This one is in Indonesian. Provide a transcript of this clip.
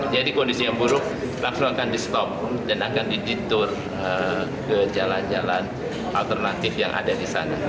jadi kondisi yang buruk langsung akan di stop dan akan di ditur ke jalan jalan alternatif yang ada di sana